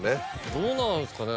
どうなんですかね？